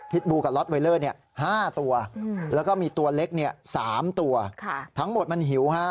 บูกับล็อตไวเลอร์๕ตัวแล้วก็มีตัวเล็ก๓ตัวทั้งหมดมันหิวฮะ